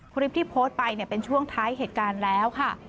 คลิปที่โพสต์ไปเป็นช่วงท้ายเหตุการณ์แล้วค่ะ